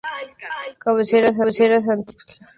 Cabecera: Santiago Tuxtla.